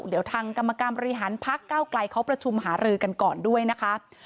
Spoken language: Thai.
เดี๋ยวทางกรรมการบริหารพักเก้าไกลเขาประชุมหารือกันก่อนด้วยนะคะ